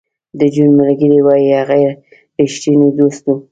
د جون ملګري وایی هغه رښتینی دوست و